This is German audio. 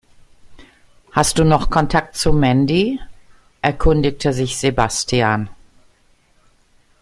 Hast du noch Kontakt zu Mandy?, erkundigte sich Sebastian.